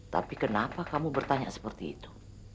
tapi kenapa kamu bertanya seperti itu